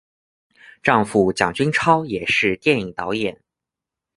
丈夫蒋君超也是电影导演。